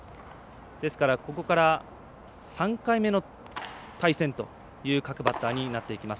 ですから、ここから３回目の対戦という各バッターになっていきます。